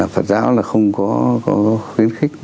phật giáo là không có khuyến khích